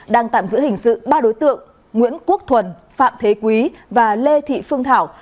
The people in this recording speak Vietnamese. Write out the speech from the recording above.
đang tạm giữ hình sự ba đối tượng nguyễn quốc thuần phạm thế quý và lê thị phương thảo